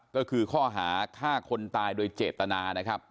ก็คือข้อหาฆ่าคนตายโดยเจตนานะครับ